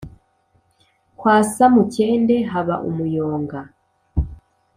Kwa Samukende haba umuyonga